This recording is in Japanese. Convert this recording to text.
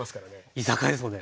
居酒屋ですもんね。